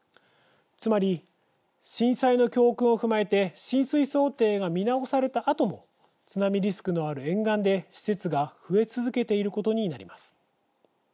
つまり、震災の教訓を踏まえて浸水想定が見直されたあとも津波リスクのある沿岸で施設が増え続けていることになります。